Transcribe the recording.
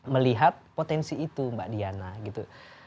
melihat potensi itu mbak diana gitu